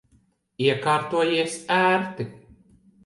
Iekārtojies ērti?